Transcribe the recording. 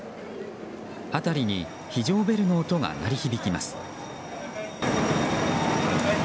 辺りに非常ベルの音が鳴り響きます。